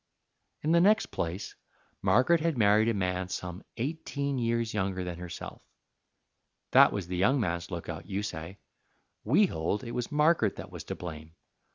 In the next place, Margaret had married a man some eighteen years younger than herself. That was the young man's lookout, you say. We hold it was Margaret that was to blame.